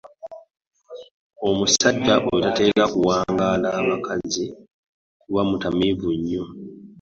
Omusajja oyo tatera kuwangaala bakazi kuba mutamiivu nnyo.